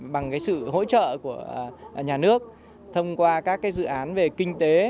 bằng sự hỗ trợ của nhà nước thông qua các dự án về kinh tế